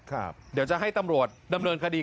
เดี๋ยวจะให้ตำรวจดำเนินคดี